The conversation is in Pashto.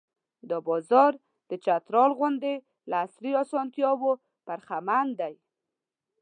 دا بازار د چترال غوندې له عصري اسانتیاوو برخمن دی.